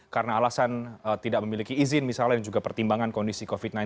karena alasan tidak memiliki izin misalnya juga pertimbangan kondisi covid sembilan belas